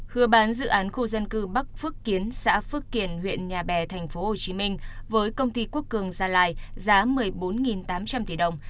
vừa bán dự án khu dân cư bắc phước kiến xã phước kiển huyện nhà bè tp hcm với công ty quốc cường gia lai giá một mươi bốn tám trăm linh tỷ đồng